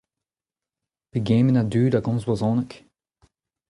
Pegement a dud a gomz brezhoneg ?